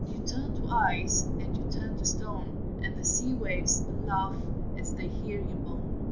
You turn to ice and you turn to stone, And the sea waves laugh as they hear you moan."